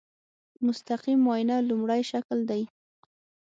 مستقیم معاینه لومړی شکل دی.